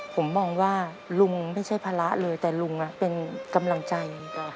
ผมมองว่าลุงไม่ใช่ภาระเลยแต่ลุงเป็นกำลังใจ